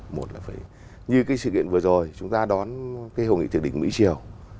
một là phải như cái sự kiện vừa rồi chúng ta đón cái hội nghị tiệc đỉnh mỹ chiều